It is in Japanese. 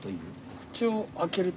口を開けると？